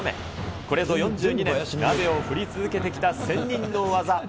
これぞ４２年、鍋を振り続けてきた仙人の技。